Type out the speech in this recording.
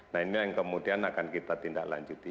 nah ini yang kemudian akan kita tindak lanjuti